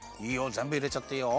ぜんぶいれちゃっていいよ。